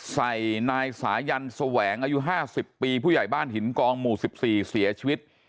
ใส่นายสายันแสวงอายุ๕๐ปีผู้ใหญ่บ้านหินกองหมู่๑๔เสียชีวิต